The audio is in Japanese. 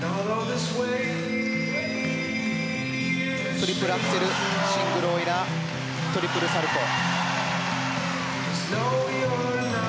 トリプルアクセルシングルオイラートリプルサルコウ。